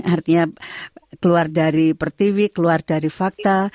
artinya keluar dari pertiwi keluar dari fakta